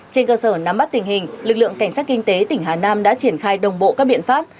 trên cơ sở nắm bắt tình hình lực lượng cảnh sát kinh tế tỉnh hà nam đã triển khai đồng bộ các biện pháp